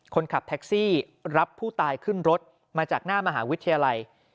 คนขับแท็กซี่รับผู้ตายขึ้นรถมาจากหน้ามหาวิทยาลัย